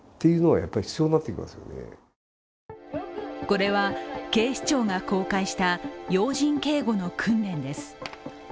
これは、警視庁が公開した要人警護の訓練です。